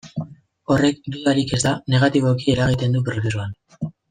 Horrek, dudarik ez da, negatiboki eragiten du prozesuan.